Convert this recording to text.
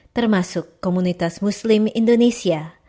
termasuk komunitas muslim indonesia